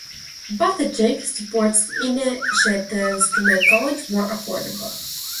Buttigieg supports initiatives to make college more affordable.